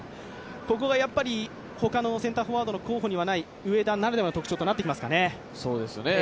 そこがほかのセンターフォワードの候補にはない上田ならではの特徴となってきますかね。